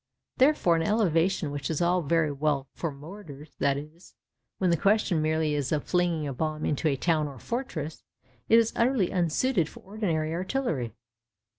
Therefore, an elevation which is all very well for mortars—that is, when the question merely is of flinging a bomb into a town or fortress—is utterly unsuited for ordinary artillery.